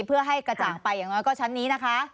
เพื่อให้กระจ่างไปอย่างน้อยก็ชั้นนี้นะคะ